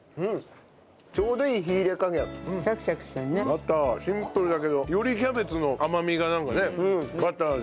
バターシンプルだけどよりキャベツの甘みがなんかねバターで。